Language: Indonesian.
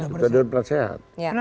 ketua dewan penasehat